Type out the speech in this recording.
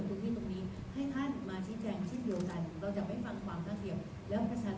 อันนี้เขาฟ้องในรายการสุจรับครรภ์นะแดนหรือว่าในรายการของอื่นด้วยเพราะว่าพี่บุหรภ์